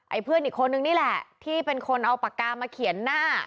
เพื่อนอีกคนนึงนี่แหละที่เป็นคนเอาปากกามาเขียนหน้า